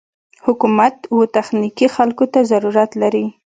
حکومت و تخنيکي خلکو ته ضرورت لري.